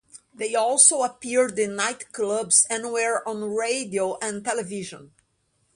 They also appeared in nightclubs and were on radio and television.